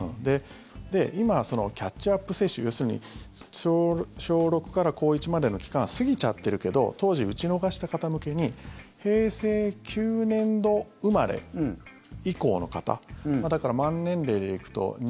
今、そのキャッチアップ接種要するに小６から高１までの期間は過ぎちゃってるけど当時、打ち逃した方向けに平成９年度生まれ以降の方２５？